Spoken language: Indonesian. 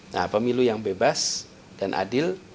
nah pemilu yang bebas dan adil